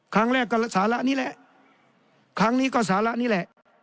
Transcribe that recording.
ครั้งแรกก็สาระนี้แหละครั้งนี้ก็สาระนี่แหละ